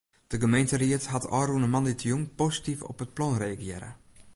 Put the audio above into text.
De gemeenteried hat ôfrûne moandeitejûn posityf op it plan reagearre.